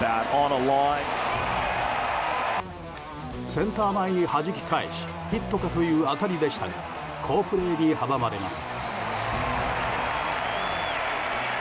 センター前にはじき返しヒットかという当たりでしたが好プレーに阻まれます。